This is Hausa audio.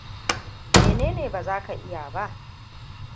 Menene baza ka iya yi ba?